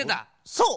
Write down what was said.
そう！